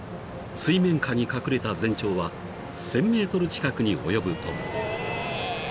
［水面下に隠れた全長は１，０００ｍ近くに及ぶとも］